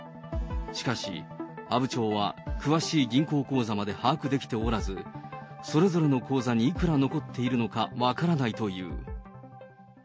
しかし、阿武町は詳しい銀行口座まで把握できておらず、それぞれの口座にいくら残っているのか分からないという。